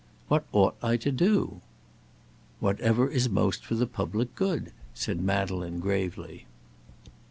What ought I to do?" "Whatever is most for the public good." said Madeleine, gravely.